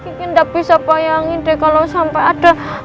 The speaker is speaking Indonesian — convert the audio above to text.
gk bisa bayangin deh kalo sampai ada